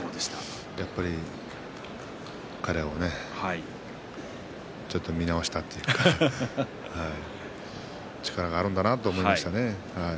やっぱりあれはちょっと見直したというか力があるんだなと思いましたね。